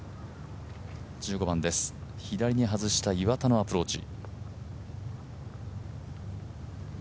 １５番です、左に外した岩田のアプローチ。